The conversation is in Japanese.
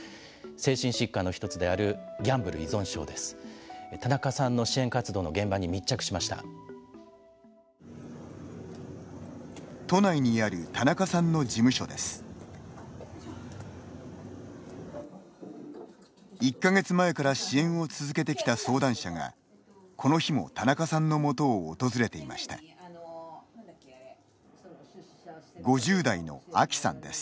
精神疾患の一つであるギャンブル依存症です。